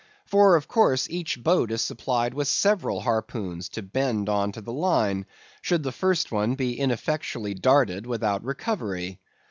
For, of course, each boat is supplied with several harpoons to bend on to the line should the first one be ineffectually darted without recovery.